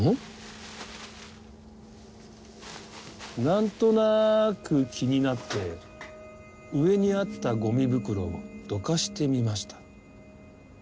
何となく気になって上にあったゴミ袋をどかしてみました。